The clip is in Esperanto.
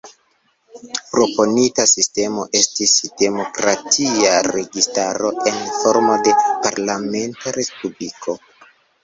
Proponita sistemo estis demokratia registaro en formo de parlamenta respubliko.